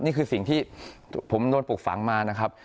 นี่คือสิ่งที่ผมโดนปลูกฝังมานะครับ